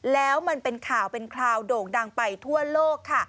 แล้วมันเป็นข่าวโด่งดังไปทั่วโลก